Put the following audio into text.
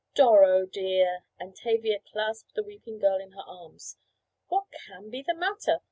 "Doro, dear," and Tavia clasped the weeping girl in her arms, "what can be the matter?